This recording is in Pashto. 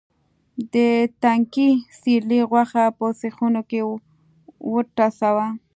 د تنکي سېرلي غوښه په سیخونو کې وټسوه.